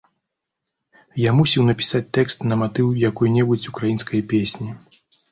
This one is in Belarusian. Я мусіў напісаць тэкст на матыў якой-небудзь украінскай песні.